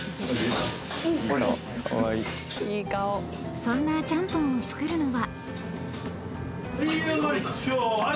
［そんなちゃんぽんを作るのは］